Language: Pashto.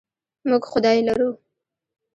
موږ خدای لرو.